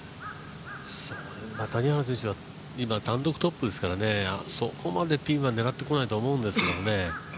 谷原選手は今、単独トップですからそこまでピンは狙ってこないとは思うんですけどね。